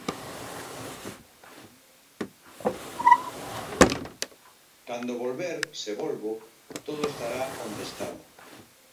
Cando volver, se volvo, todo estará onde estaba.